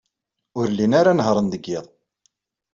Ur llin ara nehhṛen deg yiḍ.